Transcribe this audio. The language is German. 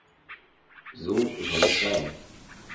So soll es sein.